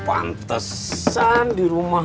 pantesan di rumah